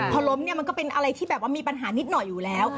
พอล้มเนี่ยมันก็เป็นอะไรที่แบบว่ามีปัญหานิดหน่อยอยู่แล้ว